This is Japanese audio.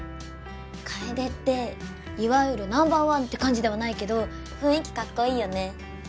楓っていわゆるナンバー１って感じではないけど雰囲気かっこいいよね。